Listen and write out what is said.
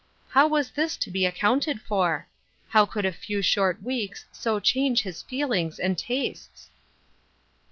How was this to be accounted for ? How could a few short weeks so change his feel ings and tastes